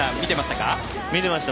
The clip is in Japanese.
見てました？